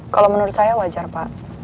kalau menurut saya wajar pak